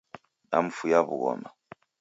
Namfuya wughoma.